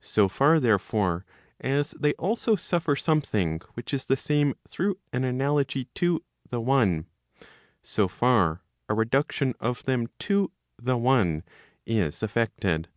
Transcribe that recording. So far therefore, as they also suffer something which is the same through an analogy to the one , so far a reduction of them to the one is effected.